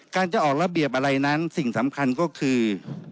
จะออกระเบียบอะไรนั้นสิ่งสำคัญก็คือ